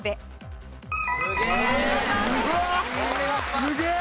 すげえ！